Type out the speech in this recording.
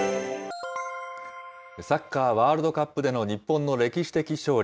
サッカーワールドカップでの日本の歴史的勝利。